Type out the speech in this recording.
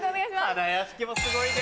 花やしきもすごいね。